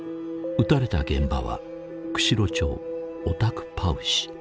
撃たれた現場は釧路町オタクパウシ。